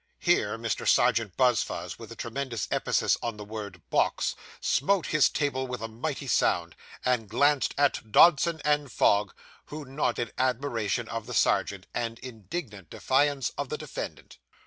Here, Mr. Serjeant Buzfuz, with a tremendous emphasis on the word 'box,' smote his table with a mighty sound, and glanced at Dodson and Fogg, who nodded admiration of the Serjeant, and indignant defiance of the defendant.